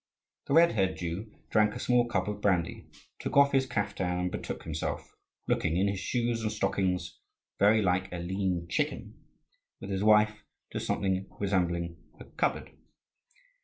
The red haired Jew drank a small cup of brandy, took off his caftan, and betook himself looking, in his shoes and stockings, very like a lean chicken with his wife, to something resembling a cupboard.